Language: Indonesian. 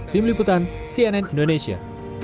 tim liputan cnn indonesia